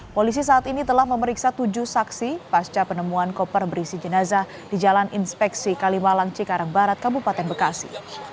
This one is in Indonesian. polisi saat ini telah memeriksa tujuh saksi pasca penemuan koper berisi jenazah di jalan inspeksi kalimalang cikarang barat kabupaten bekasi